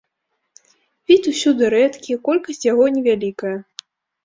Від усюды рэдкі, колькасць яго невялікая.